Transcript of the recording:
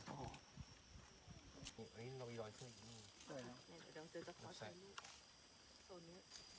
ไม่เอาแต่แบบนี้